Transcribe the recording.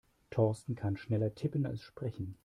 Thorsten kann schneller tippen als sprechen.